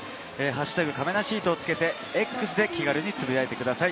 「＃かめなシート」をつけて「Ｘ」で気軽につぶやいてください。